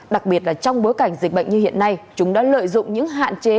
đặc biệt là trong bối cảnh dịch bệnh như hiện nay chúng đã lợi dụng những hạn chế